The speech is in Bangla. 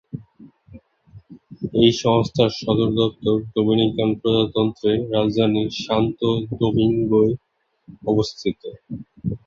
এই সংস্থার সদর দপ্তর ডোমিনিকান প্রজাতন্ত্রের রাজধানী সান্তো দোমিঙ্গোয় অবস্থিত।